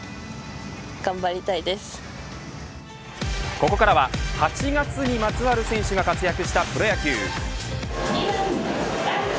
ここからは８月にまつわる選手が活躍したプロ野球。